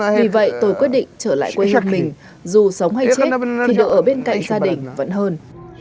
vì vậy tôi quyết định trở lại quê học mình dù sống hay chết thì độ ở bên cạnh gia đình vẫn hơn